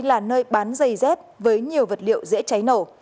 là nơi bán giày dép với nhiều vật liệu dễ cháy nổ